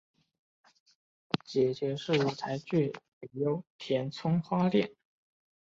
姐姐是舞台剧女优田村花恋。